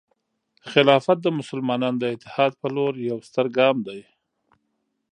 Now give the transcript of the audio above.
خلافت د مسلمانانو د اتحاد په لور یو ستر ګام دی.